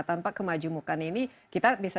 tanpa kemajumukan ini kita bisa